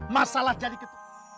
masalah jadi ket